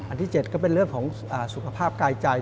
ที่๗ก็เป็นเรื่องของสุขภาพกายใจ